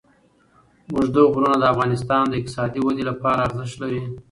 اوږده غرونه د افغانستان د اقتصادي ودې لپاره ارزښت لري.